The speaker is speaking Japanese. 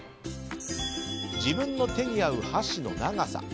自分の手に合う箸の長さ。